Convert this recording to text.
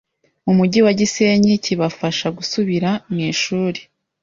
mu mujyi wa Gisenyi kibafasha gusubira mw’ishuli